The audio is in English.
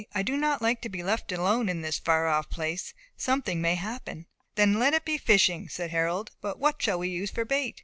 "I do not like to be left alone in this far off place; something may happen." "Then let it be fishing," said Harold; "but what shall we use for bait?"